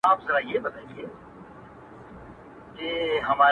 په شپه کي ګرځي محتسب د بلاګانو سره!.